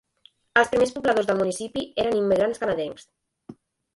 Els primers pobladors del municipi eren immigrants canadencs.